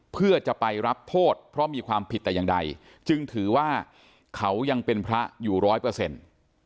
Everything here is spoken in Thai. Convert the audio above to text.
เพื่อจะไปรับโทษเพราะมีความผิดแต่อย่างใดจึงถือว่าเขายังเป็นพระอยู่ร้อยเปอร์เซ็นต์